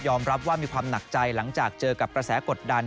รับว่ามีความหนักใจหลังจากเจอกับกระแสกดดัน